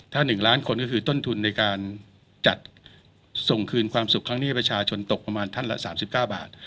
ถ้า๑ล้านคนก็คือต้นทุนในการจัดส่งคืนความสุขครั้งนี้ให้ประชาชนตกประมาณท่านละ๓๙บาท